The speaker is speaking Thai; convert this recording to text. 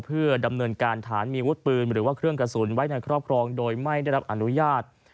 เพื่อดำเนินการฐานมีวุฒิปืนหรือว่าเครื่องกระสุนไว้ในครอบครองโดยไม่ได้รับอนุญาต